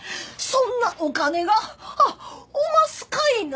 そんなお金があっおますかいな！